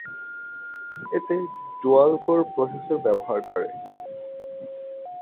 এতে dual core processor ব্যবহার করে।